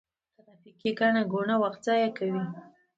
ترافیکي ګڼه ګوڼه وخت ضایع کوي.